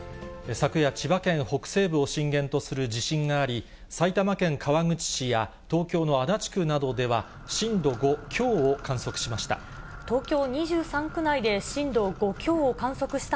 昨夜、千葉県北西部を震源とする地震があり、埼玉県川口市や東京の足立区などでは震度５強を観測しました。